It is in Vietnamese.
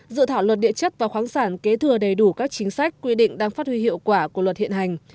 dự thảo luật địa chất và khoáng sản kế thừa đầy đủ các chính sách quy định đang phát huy hiệu quả của luật hiện hành